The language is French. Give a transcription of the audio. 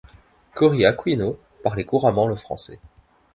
Cory Aquino parlait couramment le français.